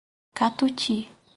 Catuti